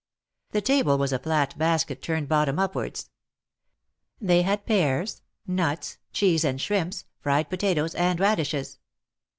The table was aflat basket turned bottom upwards. They had pears, nuts, cheese and shrimps, fried potatoes and radishes.